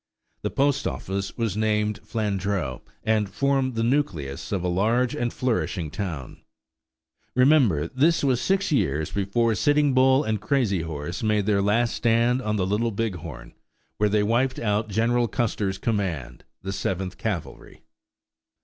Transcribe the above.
The post office was named Flandreau, and formed the nucleus of a large and flourishing town. Remember, this was six years before Sitting Bull and Crazy Horse made their last stand on the Little Big Horn, where they wiped out General Custer's command, the Seventh Cavalry.